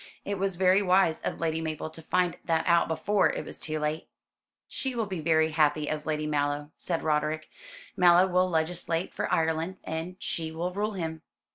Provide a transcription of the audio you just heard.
It was very wise of Lady Mabel to find that out before it was too late." "She will be very happy as Lady Mallow," said Roderick. "Mallow will legislate for Ireland, and she will rule him.